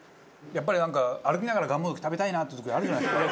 やっぱりなんか歩きながらがんもどき食べたいなって時あるじゃないですか。